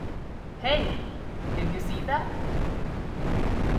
Hey! Did you see that?